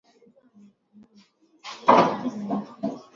na kulingana na mtizamo wako unafikiri sasa utawala wa kijeshi uliopo hivi sasa